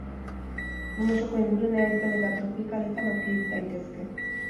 Mundu osoko ingurune epel eta tropikaletan aurki daitezke.